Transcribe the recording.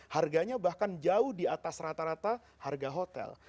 harganya bahkan jauh di atas rata rata harga hotel